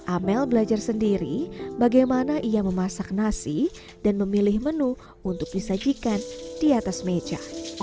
amel belajar sendiri bagaimana ia memasak nasi dan memilih menu untuk disajikan di atas meja